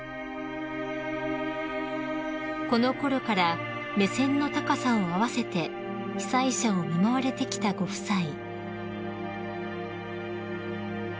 ［このころから目線の高さを合わせて被災者を見舞われてきたご夫妻］